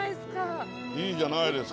いいじゃないっすか。